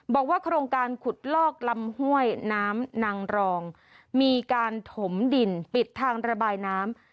บอกว่าโครงการขุดลอกลำห้วยน้ำนางรองมีการถมดินปิดทางระบายน้ำ